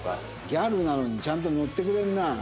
ギャルなのにちゃんとノってくれるな。